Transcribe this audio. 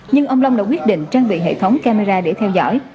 nhưng ông long đã quyết định trang bị hệ thống camera để theo dõi